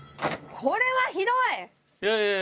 これはひどい。